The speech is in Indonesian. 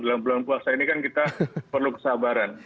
dalam bulan puasa ini kan kita perlu kesabaran